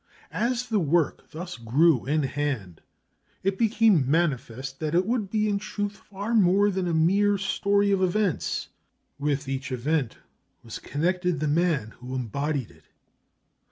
As the work thus grew in hand, it became manifest that it would be, in truth, far more than a mere story of events. With each event was connected the man who embodied it.